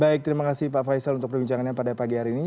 baik terima kasih pak faisal untuk perbincangannya pada pagi hari ini